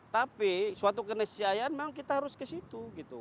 tapi suatu kenesiaan memang kita harus ke situ gitu